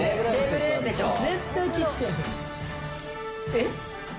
えっ？